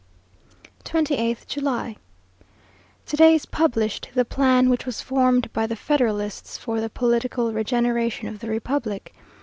28th July. To day is published the plan which was formed by the federalists for the "political regeneration of the republic."